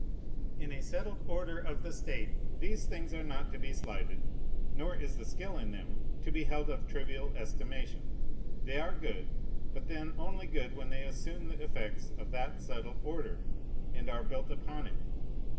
In a settled order of the state, these things are not to be slighted, nor is the skill in them to be held of trivial estimation. They are good, but then only good when they assume the effects of that settled order, and are built upon it.